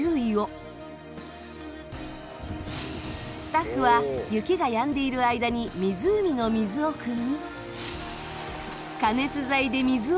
スタッフは雪がやんでいる間に湖の水をくみ。